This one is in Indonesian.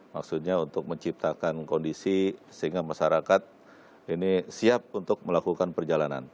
maksudnya untuk menciptakan kondisi sehingga masyarakat ini siap untuk melakukan perjalanan